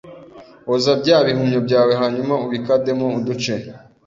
Oza bya bihumyo byawe hanyuma ubikademo uduce